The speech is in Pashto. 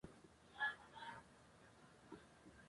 کوچیان د افغانستان د اقلیم ځانګړتیا ده.